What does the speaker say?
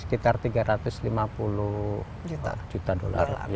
sekitar tiga ratus lima puluh juta dolar